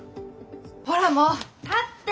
ほらもう立って！